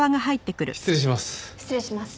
失礼します。